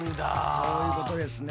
そういうことですね。